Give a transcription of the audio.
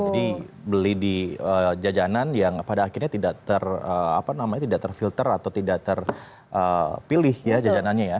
jadi beli di jajanan yang pada akhirnya tidak terfilter atau tidak terpilih jajanannya ya